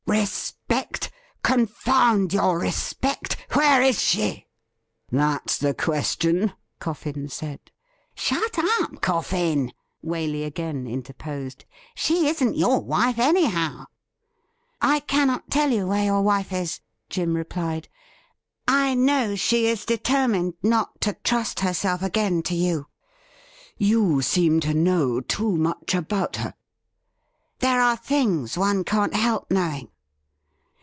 ' Respect ! Confound your respect ! Where is she .?'' That's the question,' Coffin said. ' Shut up, Coffin !' Waley again interposed. ' She isn't your wife, anyhow.' ' I cannot tell you where your wife is,' Jim replied. ' I know she is determined not to trust herself again to you.' ' You seem to know too much about her.' ' There are things one can't help knowing.'